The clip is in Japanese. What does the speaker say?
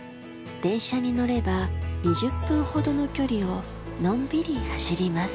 電車に乗れば２０分ほどの距離をのんびり走ります。